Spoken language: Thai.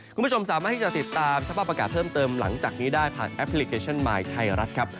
คุณผู้ชมสามารถที่จะติดตามสภาพอากาศเพิ่มเติมหลังจากนี้ได้ผ่านแอปพลิเคชันมายไทยรัฐครับ